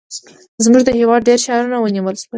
زموږ د هېواد ډېر ښارونه ونیول شول.